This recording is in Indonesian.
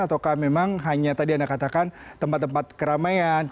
atau memang hanya tempat tempat keramaian